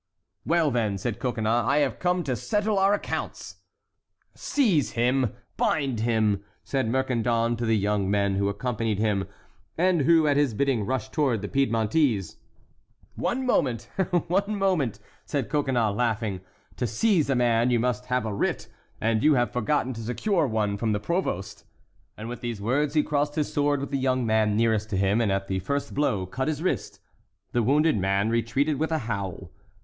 "Well, then," said Coconnas, "I have come to settle our accounts." "Seize him, bind him!" said Mercandon to the young men who accompanied him, and who at his bidding rushed toward the Piedmontese. "One moment! one moment!" said Coconnas, laughing, "to seize a man you must have a writ, and you have forgotten to secure one from the provost." And with these words he crossed his sword with the young man nearest to him and at the first blow cut his wrist. The wounded man retreated with a howl.